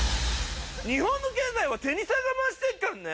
日本の経済はテニサーが回してっかんね！